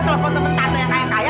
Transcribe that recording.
kelompok temen tante yang kaya kaya